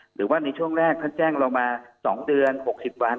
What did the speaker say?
หรือว่าในช่วงแรกท่านแจ้งเรามา๒เดือน๖๐วัน